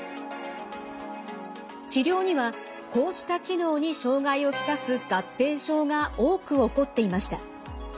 治療にはこうした機能に障害を来す合併症が多く起こっていました。